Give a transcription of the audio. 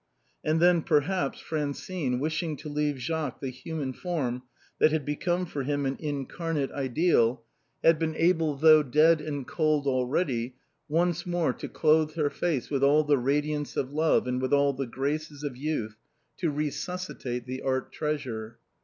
And then, perhaps, Francine, wishing to leave Jacques the human form that had become for him an in carnate ideal, had been able though dead and cold already to once more clothe her face with all the radiance of love and with all the graces of youth, to resuscitate the art trea sure.